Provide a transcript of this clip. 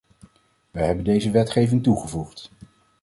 Wij hebben deze wetgeving toegevoegd.